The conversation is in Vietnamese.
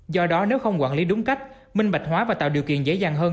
do đó nếu không quản lý đúng cách minh bạch hóa và tạo điều kiện dễ dàng hơn